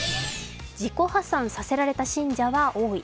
自己破産させられた信者は多い。